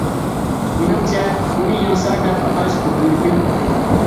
مېنىڭچە بۇنى يېڭىسار دەپ ئاتاش توغرىمىكىن.